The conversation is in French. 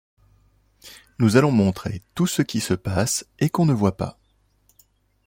Nous allons montrer tout ce qui se passe et qu'on ne voit pas.